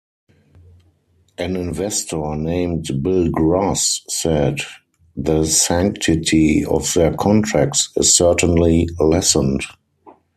An investor named Bill Gross said, The sanctity of their contracts is certainly lessened.